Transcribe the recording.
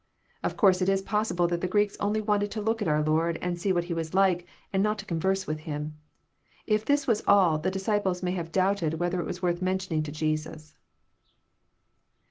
. Of course it is possible that the Greeks only wanted to look at our Lord and see what He was like, and not to converse with Him. If this was all, the disciples may have doubted whethei it was worth mentioning to Jesus.